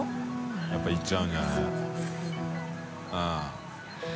笋辰僂いっちゃうんじゃない？